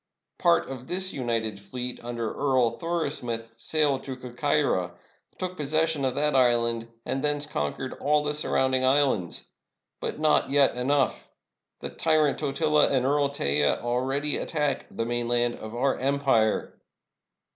Part of this united fleet, under Earl Thoris muth, sailed to Corcyra, took possession of that island, and thence conquered all the surrounding islands. But not yet enough. The tyrant Totila and Earl Teja al ready attack the mainland of our empire."